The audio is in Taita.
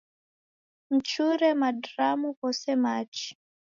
Mchure madramu ghose machi